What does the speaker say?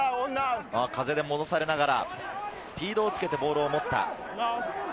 風で戻されながら、スピードをつけてボールを持った。